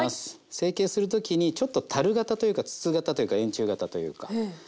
成形する時にちょっと樽形というか筒形というか円柱形というか。